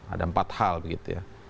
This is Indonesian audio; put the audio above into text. ada empat hal begitu ya